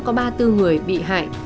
có ba bốn người bị hại